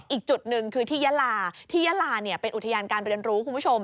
อีกจุดหนึ่งคือที่ยาลาที่ยาลาเป็นอุทยานการเรียนรู้คุณผู้ชม